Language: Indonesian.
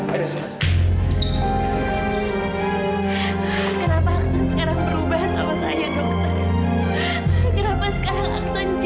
aida tunggu tunggu aida aksan